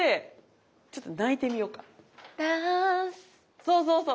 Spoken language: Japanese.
そうそうそう。